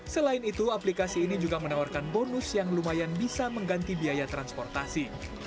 selain itu aplikasi ini juga menawarkan bonus yang lumayan bisa mengganti biaya transportasi